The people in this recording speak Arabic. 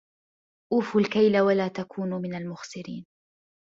أَوفُوا الكَيلَ وَلا تَكونوا مِنَ المُخسِرينَ